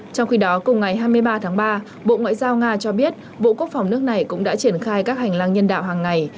trong khi đó cùng ngày hai mươi ba tháng ba bộ ngoại giao nga cho biết bộ quốc phòng nước này cũng đã triển khai các hành lang nhân đạo hàng ngày